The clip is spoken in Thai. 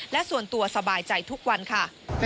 และส่วนตัวสบายใจทุกวันค่ะ